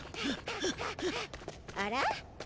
あら？